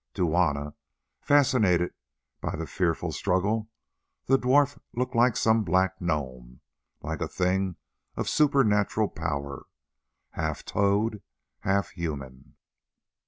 To Juanna, fascinated by the fearful struggle, the dwarf looked like some black gnome, like a thing of supernatural power, half toad, half human.